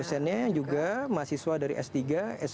dosennya juga mahasiswa dari s tiga s dua s satu